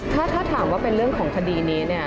ถ้าถามว่าเป็นเรื่องของคดีนี้เนี่ย